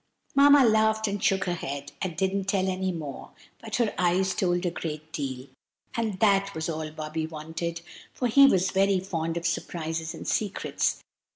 Mamma laughed and shook her head, and didn't tell any more, but her eyes told a great deal; and that was all Bobby wanted, for he was very fond of surprises and secrets.